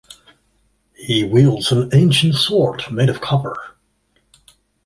He wields an ancient sword made of copper.